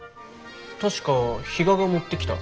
確か比嘉が持ってきた。